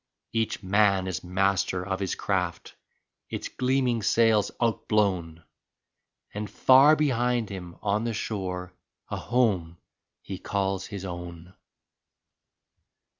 Each man is master of his craft, its gleaming sails out blown. And far behind him on the shore a home he calls his own.